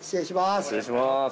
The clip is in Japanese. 失礼します。